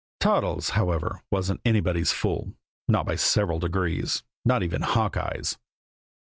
Toddles, however, wasn't anybody's fool, not by several degrees not even Hawkeye's.